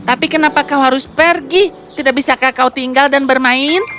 tapi kenapa kau harus pergi tidak bisakah kau tinggal dan bermain